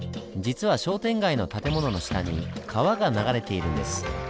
実は商店街の建物の下に川が流れているんです。